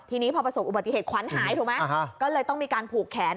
ทีนี้พอประสบอุบัติเหตุขวัญหายถูกไหมก็เลยต้องมีการผูกแขน